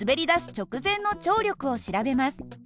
直前の張力を調べます。